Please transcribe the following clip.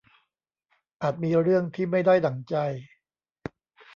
อาจมีเรื่องที่ไม่ได้ดั่งใจ